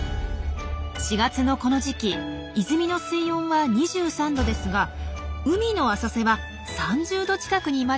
４月のこの時期泉の水温は２３℃ですが海の浅瀬は３０℃近くにまで上がります。